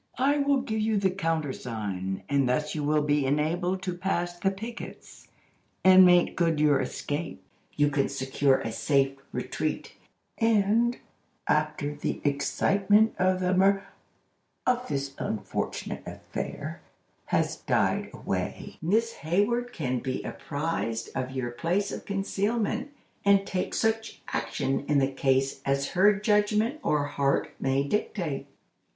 I will give you the counter sign, and thus you will be enabled to pass the pickets, and make good your escape. You can secure a safe retreat, and, after the excitement of the mur—of this unfortunate affair—has died away, Miss Hayward can be apprised of your place of concealment, and take such action in the case as her judgment or heart may dictate."